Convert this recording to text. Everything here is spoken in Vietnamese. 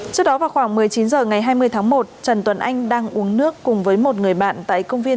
trước đó vào khoảng một mươi chín h ngày hai mươi tháng một trần tuấn anh đang uống nước cùng với một người bạn tại công viên